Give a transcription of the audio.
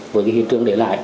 với cái hiện trường để lại